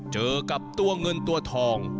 เจอกับตัวเงินตัวทอง